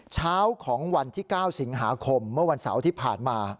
เช้าของวันที่๙สิงหาคมเมื่อวันเสาร์ที่ผ่านมา